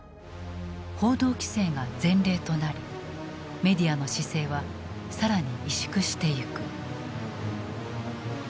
報道規制が前例となりメディアの姿勢は更に委縮してゆく。